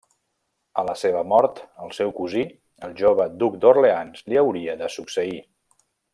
A la seva mort, el seu cosí, el jove duc d'Orleans li hauria de succeir.